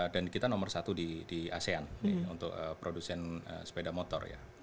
dan kita nomor satu di asean untuk produksi sepeda motor ya